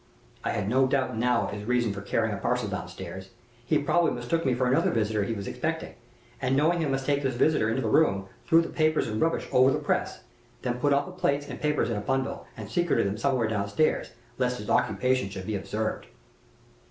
I had no doubt now of his reason for carrying a parcel down stairs. He probably mistook me for another visitor he was expecting, and, knowing he must take this visitor into his room, threw the papers and rubbish over the press, and put up his plates and papers in a bundle and secreted them somewhere down stairs, lest his occupation should be observed.